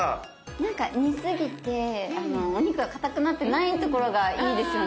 なんか煮すぎてお肉がかたくなってないところがいいですよね。